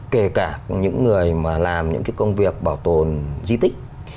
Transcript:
kể cả những người mà làm những cái công việc bảo tồn di tích